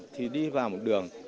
thì đi vào một đường